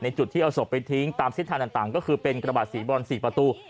จุดที่เอาศพไปทิ้งตามเส้นทางต่างก็คือเป็นกระบาดสีบรอน๔ประตู